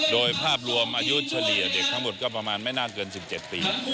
โดยภาพรวมอายุเฉลี่ยเด็กทั้งหมดก็ประมาณไม่น่าเกิน๑๗ปี